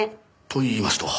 といいますと。